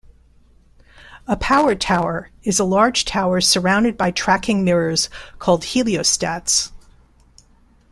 A power tower is a large tower surrounded by tracking mirrors called heliostats.